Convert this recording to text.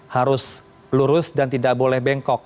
harus lurus dan tidak boleh bengkok